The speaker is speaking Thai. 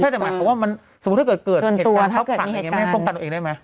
ใช่แต่หมายความว่าสมมติถ้าเกิดเหตุการณ์เขาปั่งอย่างนี้ไม่ให้ป้องกันตัวเองได้ไหม